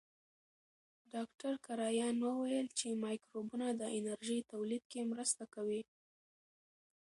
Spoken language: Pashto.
ډاکټر کرایان وویل چې مایکروبونه د انرژۍ تولید کې مرسته کوي.